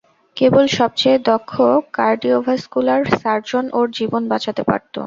কেবল সবচেয়ে দক্ষ cardiovascular surgeon ওর জীবন বাঁচাতে পারতো।